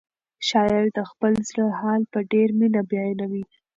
شاعر د خپل زړه حال په ډېره مینه بیانوي.